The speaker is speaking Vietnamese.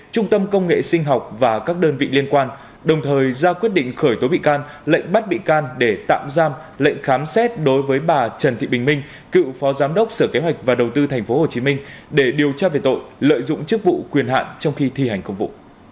trung tâm công nghệ sinh học và các đơn vị liên quan đồng thời ra quyết định khởi tố bị can lệnh bắt bị can để tạm giam lệnh khám xét đối với bà trần thị bình minh cựu phó giám đốc sở kế hoạch và đầu tư tp hcm để điều tra về tội lợi dụng chức vụ quyền hạn trong khi thi hành công vụ